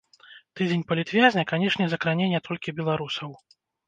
Тыдзень палітвязня, канешне, закране не толькі беларусаў.